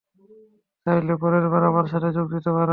চাইলে পরেরবার আমাদের সাথে যোগ দিতে পার।